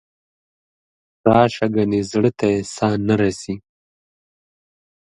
راشه ګنې زړه ته یې ساه نه رسي.